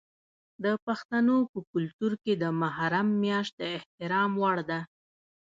د پښتنو په کلتور کې د محرم میاشت د احترام وړ ده.